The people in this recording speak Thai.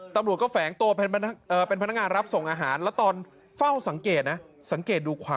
ตำรวจก็แฝงตัวเป็นพนักงานรับส่งอาหารแล้วตอนเฝ้าสังเกตนะสังเกตดู